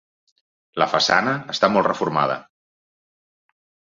La façana està molt reformada.